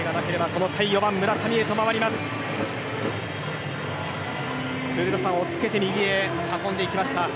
古田さん、おっつけて右へ運んでいきました。